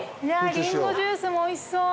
りんごジュースもおいしそう。